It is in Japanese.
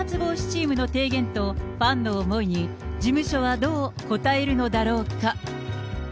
再発防止チームの提言とファンの思いに、事務所はどう応えるのだろうか。